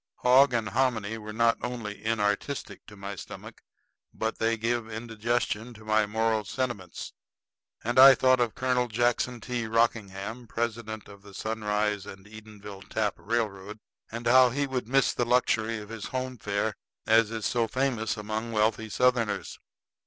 Hog and hominy are not only inartistic to my stomach, but they give indigestion to my moral sentiments. And I thought of Colonel Jackson T. Rockingham, president of the Sunrise & Edenville Tap Railroad, and how he would miss the luxury of his home fare as is so famous among wealthy Southerners.